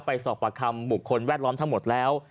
สอบประคำบุคคลแวดล้อมทั้งหมดแล้ว